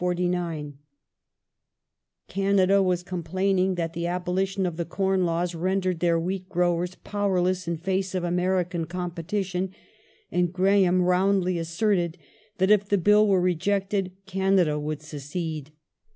'^'^^ Canada was complaining that the abolition of the Corn Laws rendered their wheat growers powerless in face of American com petition, and Graham roundly asserted that if the Bill were rejected Canada would secede.